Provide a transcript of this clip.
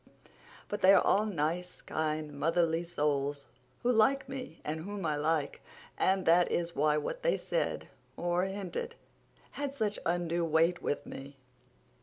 But they are all nice, kind, motherly souls, who like me and whom I like, and that is why what they said, or hinted, had such undue weight with me.